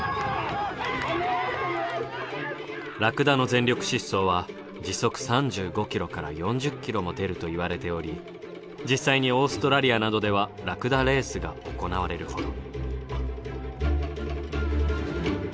ラクダの全力疾走は時速３５ｋｍから４０ｋｍも出るといわれており実際にオーストラリアなどではラクダレースが行われるほど。